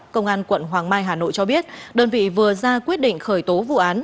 công an quận hoàng mai hà nội cho biết đơn vị vừa ra quyết định khởi tố vụ án